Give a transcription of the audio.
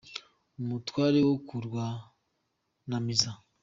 Umutware wo ku rwanamiza